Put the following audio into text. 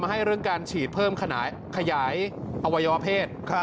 ให้เรื่องการฉีดเพิ่มขยายอวัยวเพศ